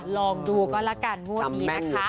ลองดูก็ละกันงวดนี้นะคะ